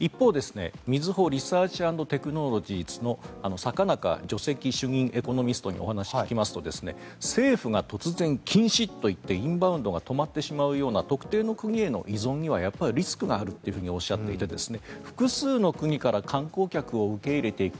一方、みずほリサーチ＆テクノロジーズの坂中上席主任エコノミストにお話を聞きますと政府が突然、禁止と言ってインバウンドが止まってしまうような特定の国への依存にはリスクがあるとおっしゃっていて複数の国から観光客を受け入れていく